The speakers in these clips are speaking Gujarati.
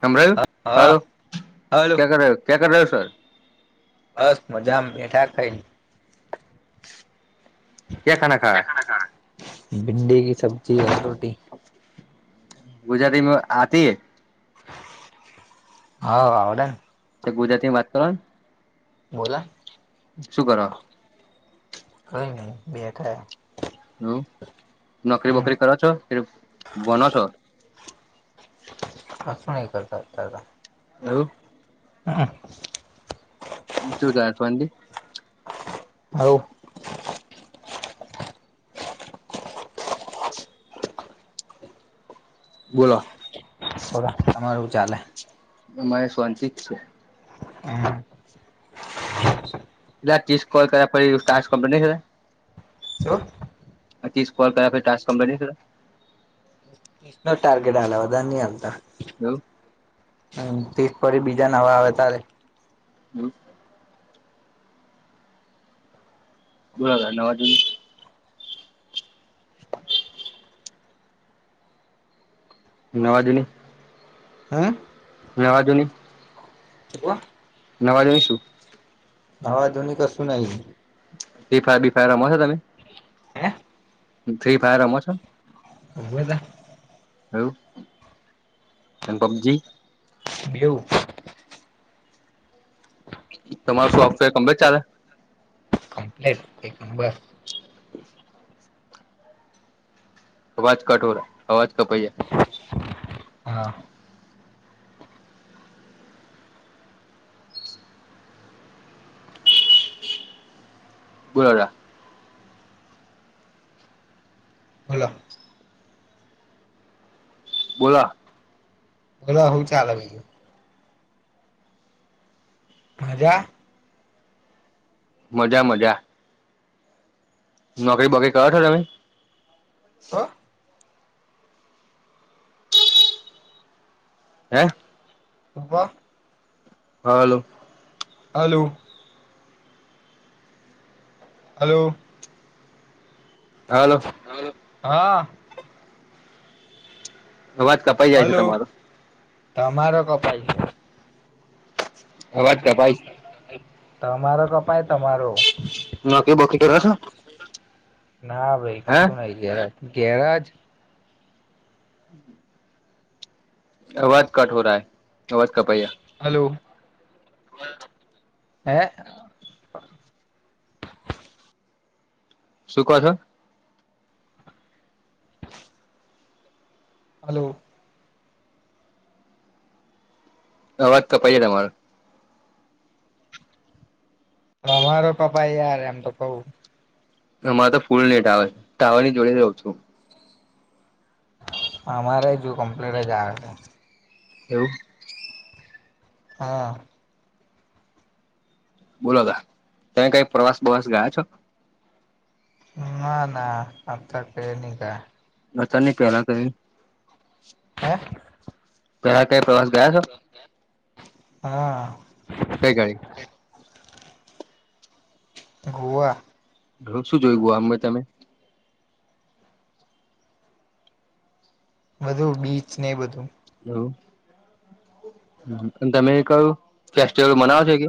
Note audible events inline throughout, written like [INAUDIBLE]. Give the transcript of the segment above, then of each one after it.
સમભળું હા હાલો હા હલો ક્યા કર ક્યા કર રહ સર બસ મજા બેઠા ખાઈલી ક્યા ખના ખાવા ભિન્ડી ક સબ્જી હ રોટી ગુજરાતીમાં આતી હા આવડ ગુજરાતીની વાત કરો બોલા શું કર કઈ નહી બેઠાય હમ નોકરી વોકરી કરો છો કે ભનો છો અુંહી કરતા કર હ હા જોું ક ચી હ બોલો ઓરા તમારું ચાલે મહેશ વન સિક્સ છે હમ પી કોલ કર પડ સાર કંપની છે શું ી કોલ કર્યા ટા કંપની નિ ન ટાર્ગેટ આાધની અતા હ હ તીજ પરી બીજા નવા આવે તારે હમ બોરા નવાજ નવાજ ન હમ મે વાજો ન શ નવા જોઈશું હવે આધુનિક અું નહી બી ફાય બી ફાય રમો છો તમે હે ફિ‌ફાયર રમવો છે ઉવે દ હ પન પબજી બું તમારો સોફ્ટવેર કંમે ચાલે કમ્પ્લીટ એક નંબર અવાજ કઠોર અવાજ કપૈયા હા બુલોડા બોલો બોલા ભલો હઉ ચાાલ ભ હજા મજા મજા નોકરી બોકરી કરો છો તમે હો હે શભ hello hello hello hello hello હા અવાજ કપાઈ જાય છે હલો તમારો તમારો કપાઈ અવાજ કપાઈ છે તમારો ક તમારો નોકરી બોકરી કરો છો ના ભાઈ હે કશું ના ગ્ય ગ્યારહજ હમ આવાજ કટ હો ર હ આવાજ કપૈયા હલો હે શું ક છો? [UNINTELLIGIBLE] હલો હ વાત તો તમારો અમારો પપા યાર એમ તો કું હરે તો ફૂલ હીટાવર ટાવર ની જોડી રહઉ છું અમારે જો કમ્પ્લીટ જ આવે છે એવું હા બોલો તમે કઈ પ્રવાસ બવાસ ગયા છો ના ના આ ક ન કા ના ચનેકલા ક હે [UNINTELLIGIBLE] હા ક ગ ઈ ગોવા ઘ શું જોઈ ગું અમે તમે બધું બીચ ને બધું હ અને તમે કયું ફેસ્ટિવલ મનાવ છો કે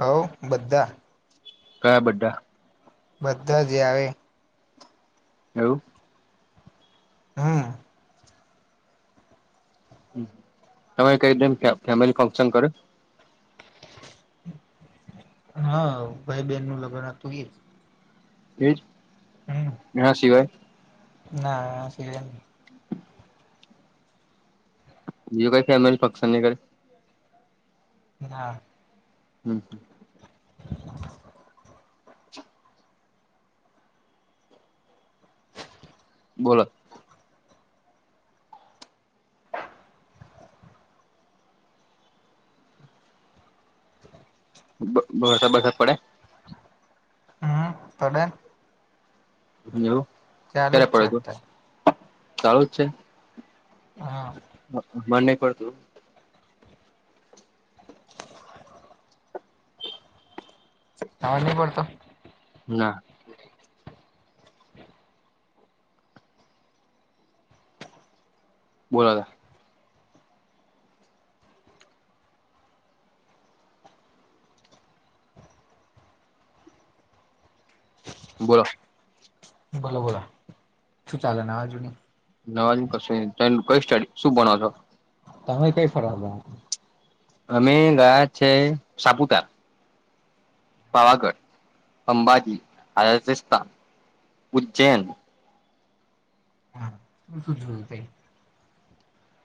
હ બધા કયા બડાા બધા જે આવે એવું હમ તમામે કઈ રી ફેમિલી ફંક્શન કરો હા ભાઈ બેહેન નું લગ્નતું એ જ એજ એના સિવાય ના સ બી કઈ ફેમિલી ફંક્શનનીઈે ના હમ [UNINTELLIGIBLE] બોલો [INAUDIBLE] બ બ બધા પડે હમ પડે એવું ચાલુ ક્યારે જ છે પડે અત્યારે તો ચાલુ જ છે. હા. મને પડતું આવાજ ની પડતો ના. બોલો તો બોલો. બોલો બોલો શું ચાલે નવા જુની નવાનું કશુઈ ની તમે કઈ સ્ટડી શું ભણો છો? તમે કઈ ફરવા જાવો અમે ગયા છે, સાપુતાર પાવાગઢ, અંબાજી, અયોધ્યાયસ્થાન, ઉજ્જૈન હા શું શું જોયુ તઈ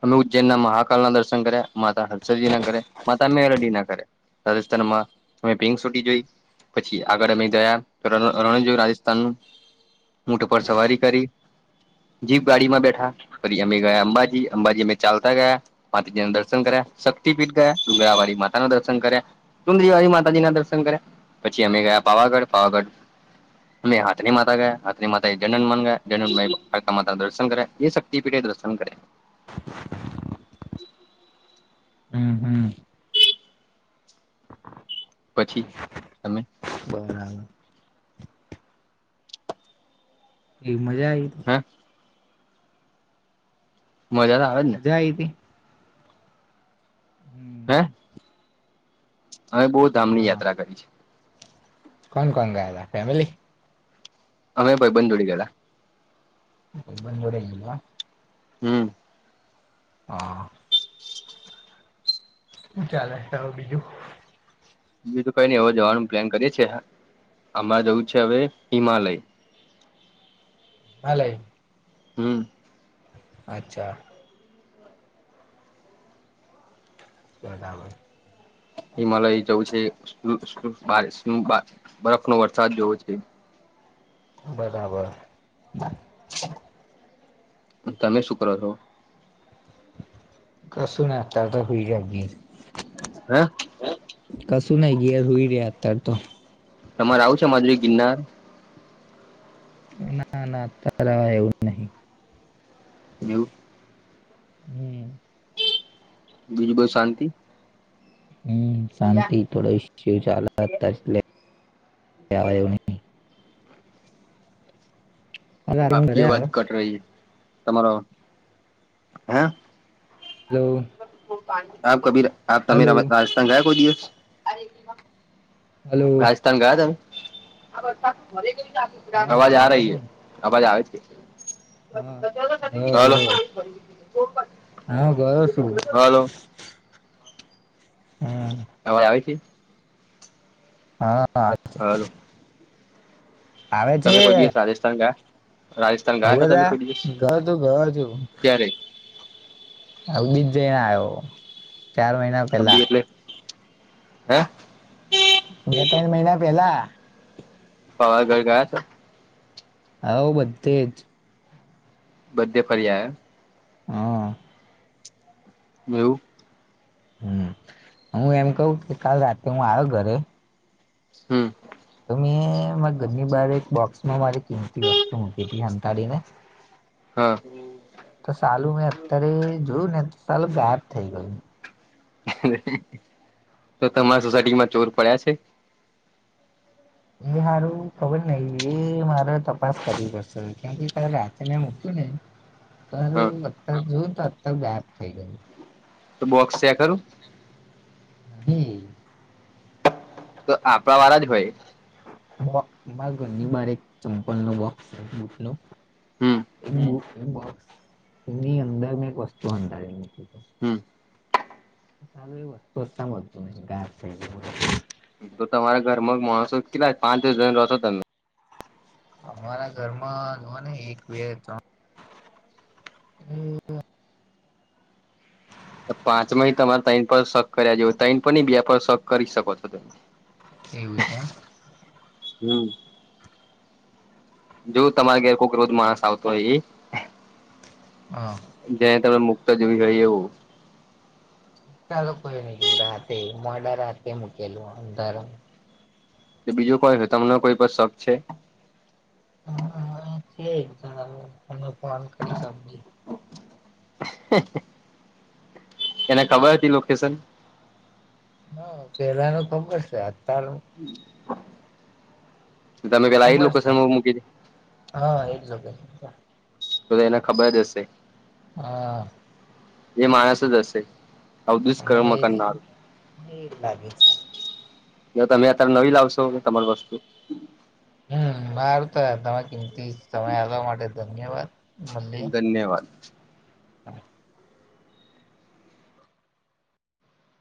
અમે ઉજ્જૈનના મહાકાળના દર્શન કર્યા માતા હર્ષજી ના કર્યા, માતા મેલડી ના કર્યા રાજસ્થાનમાં તમે પિંક સીટી જોઈ પછી આગળ અમે ગયા રણ રણ જોયુ રાજસ્થાનનું ઉંટ પર સવારી કરી જીભ ગાડીમાં બેઠા પછી અમે ગયા અંબાજી અંબાજી મે ચાલતા ગયા માતાજી ના દર્શન કર્યા શક્તિપીઠ ગયા ડુગરાવારી માતાના દર્શન કર્યા ચુંદડીવારી માતાજી ના દર્શન કર્યા પછી અમે ગયા પાવાગઢ પાવાગઢ અને હાતની માતા ગયા હાતની માતાથી જનન મન ગયા જન માતાના દર્શન કર્યા વિસ શક્તિપીઠે દર્શન કર્યા હમ હમ પછી તમે બરાબર. કેવી મજા આઈ તી [INAUDIBLE] મજા તો આવેજ ને જાય હતી હે હમ અમે બો ધામની હા યાત્રા કરી છે. કોણ કોણ ગયાતા ફેમલી અમે ભાઈ બંધ જોડે ગયાતા ભાઈબંધજોડે ગીયા હમ. હા. [INAUDIBLE] હું ચાલે તો બીજું? બીજુ તો કઈ ની હવે જવાનું પ્લાન કરીએ છીએ અમારે જવું છે, હવે હિમાલય હાલે. હમ. અચ્છા. કયારે આવે હિમાલય જવું છે બાર બરફ નો વરસાદ જોવો છે. બરાબર. તમે શું કરો છો? કસૂના અત્યારે તો હોઈ જાગીયે હે. બસ કશું નય ઘેર હોઈ રેયા અત્યારે તો તમારે આવું છે, અમારી જોડે ગિરનાર ના ના અત્યારે હો એવું નહી [UNINTELLIGIBLE] હમ બીજુ બો શાંતિ હમ શાંતિ થોડ [UNINTELLIGIBLE] શિવ ચાલ તવા એ અલા હું આપકી ઘરે અવાજ આવ્યો કટ રહી હે તમારો હે હલો આપ કભી આપ તમે હલો રાજસ્થાન ગયા કોઈ દિવસ હલો રાજસ્થાન ગયા તમે હા આવાજ આ ગયો રહી છું હ આ વાજ આવે છે. હા ગયો ગયો હા ગયો છું હલો હા અવાજ આવે છે હાા. હાલોવ આવે છે તમે કોઈ દિવસ રાજસ્થાન ગયા રાજસ્થાન ગયા છો હવે તમે તા કોઈ દિવસ ગયો છું ગયો ક્યારે? હ બીજ જઈને આવ્યો ચાર મહિના પેલા ગંી એટલે હે બે ત્રણ મહિના પેલા પવારગઢ ગયા છો? આવ બધે જ બધે ફરી આયા હા એવું હમ હું એમ કહ કે કાલ રાતે હું આવ્યો ઘરે- હમ. તો મેં ઘરની બાર એક બોક્સમાં મારી કિંમતી વસ્તુ મૂકી હતી સંંતાડીને હા તો સાાલું મેં અત્યારે જોયું ને સાલું ગાયબ થઈ ગયું તો તમારા સોસાયટીમાં ચોર પડ્યા છે. એ સારું ખબર નહિ એ મારે તપાસ કરવી પડશે કેમ ક રાતેને મૂક્યું ને ત હા અત જોવ તો અ ગાયબ થઈ ગય તો બોક્સ છેયા કરું છે તો આપણા વાળા જ હોય મારા ઘરની બાર એક ચંપલ નો બોક્સ છે બુટ નો હમ એની અંદર મેં એક વસ્તુ હંધાર હમ ચાલું એ વસ્તુજતું ન ગ તો તમારા ઘર મગ માણસો કેટલા પાંચ દિવસ જણ રહોશો તમે અમારા ઘરમાં જોવા ને એક બે ત્રણ પાંચમાં તમારે તાન પર શક કર્યા જો તૈન પર ન બે પર શક કરી શકો છો તમે એવું છે? હમ. જો તમારે ઘેર ખૂક રોજ માણસ આવતો હોય એ હા. જ્યા તમે મુક્ત જોવી ગઈ એવું ચાલો કોઈ નઈ જો રાતે મોડા રાતે મૂકેલું અંદરમ બીજું કોઈ હોય તમને કોઈ પણ શોખ છે હા છે તમે ફોન કરી શી. એને ખબર હતી લોકેશન હ પેલા ન ખબર છે અતાર તમે પેલા એ ખબર છે લોકોશનમાં મૂકી છે હા એકઝગે બ તો એને ખબર જ હશે હા. એ માણસ જ હશે. આવું દુષ્કર્મ મને એ ર કરનારું મને એ લાગે છે. જો તમે અત્યારે નવી લાવશો તમારી વસ્તુ. હમ સાર તો તમે કિંમતી સમય આવવા માટે ધન્યવાદ ધન્યવાદ. હા.